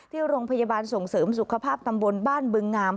ที่โรงพยาบาลส่งเสริมสุขภาพตำบลบ้านบึงงาม